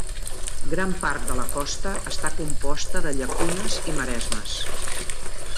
Gran part de la costa està composta de llacunes i maresmes.